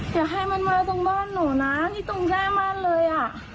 อย่าให้มันมาตรงบ้านหนูนะนี่ตรงแก้มันเลย